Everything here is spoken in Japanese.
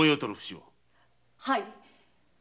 はい。